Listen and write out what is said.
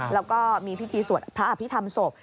แล้วก็มีพิธีสวดพระอภิษฐรรมศพ